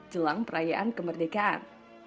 jelang perayaan kemerdekaan